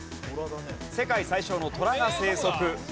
世界最小のトラが生息。